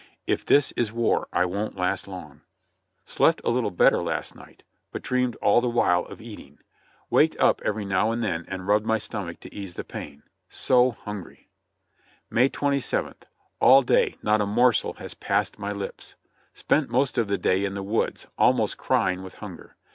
If this is war I won't last long. BREAKING IN THE VOLUNTEERS 43 Slept a little better last night, but dreamed all the while of eat ing; waked up every now and then and rubbed my stomach to ease the pain. So hungry!" ''May 27th. All day not a morsel has passed my lips. Spent most of the day in the woods, almost crying with hunger.